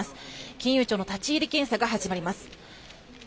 金融庁の立ち入り検査が始まります。